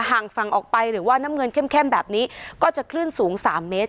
ห่างฝั่งออกไปหรือว่าน้ำเงินเข้มแบบนี้ก็จะคลื่นสูง๓เมตร